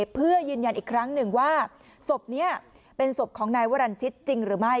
เพื่อยืนยันอีกครั้งหนึ่งว่าศพนี้เป็นศพของนายวรรณชิตจริงหรือไม่